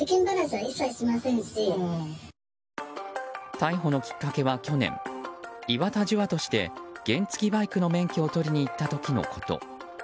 逮捕のきっかけは去年岩田樹亞として原付きバイクの免許を取りに行った時のこと。